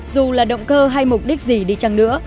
dù là động cơ hay mục đích gì đi chăng nữa